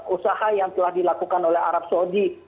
usaha yang telah dilakukan oleh arab saudi